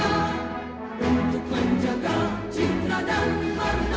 bertanggung jawab komitmen yang kuat